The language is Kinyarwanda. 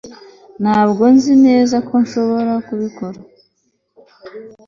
ntabwo nzi neza ko nshobora kubikora